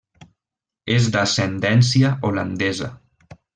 És d'ascendència holandesa.